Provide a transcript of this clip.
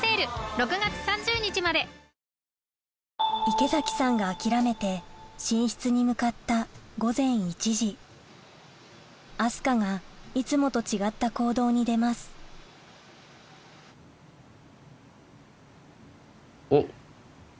池崎さんが諦めて寝室に向かった明日香がいつもと違った行動に出ますおっ。